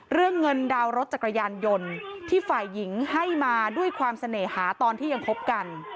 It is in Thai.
เรื่องเงินดาวน์รถจักรยานยนต์ที่ฝ่ายหญิงให้มาด้วยความเสน่หาตอนที่ยังคบกัน